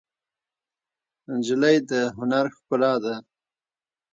نجلۍ د هنر ښکلا ده.